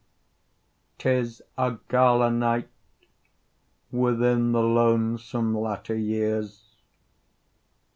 'tis a gala night Within the lonesome latter years!